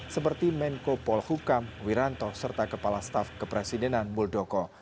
seperti menko polhukam wiranto serta kepala staf kepresidenan muldoko